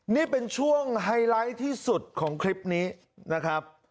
นี่เป็นช่วงไฮไลท์ที่สุดของคลิปนี้นะครับ